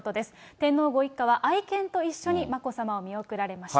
天皇ご一家は愛犬と一緒に眞子さまを見送られました。